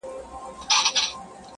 توره لمنه به تر کومه سپینوې خلکو ته